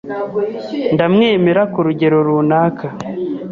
Ndamwemera ku rugero runaka.